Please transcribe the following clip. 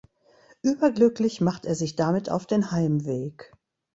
Überglücklich macht er sich damit auf den Heimweg.